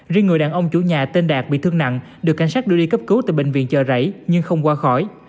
riêng người đàn ông chủ nhà tên đạt bị thương nặng được cảnh sát đưa đi cấp cứu tại bệnh viện chờ rảy nhưng không qua khỏi